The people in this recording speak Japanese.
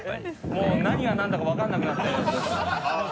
もう何が何だか分からなくなって。